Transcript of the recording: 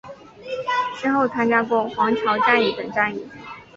先后参加过黄桥战役等战役。